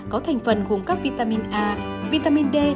có thành phần gồm các vitamin a vitamin d